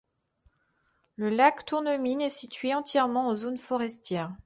Le lac Tournemine est situé entièrement en zone forestière.